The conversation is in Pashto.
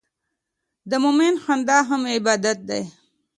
د مؤمن خندا هم عبادت ده.